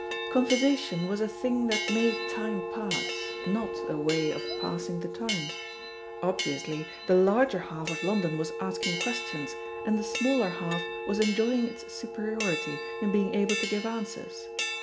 Conversation was a thing that made time pass, not a way of passing the time. Obviously the larger half of London was asking questions, and the smaller half was enjoying its superiority, in being able to give answers.